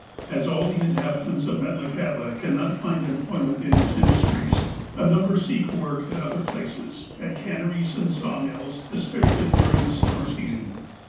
As all the inhabitants of Metlakahtla cannot find em ployment at its industries, a number seek work at other places, at canneries and sawmills, especially during the summer season.